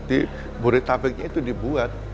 di buretabek itu dibuat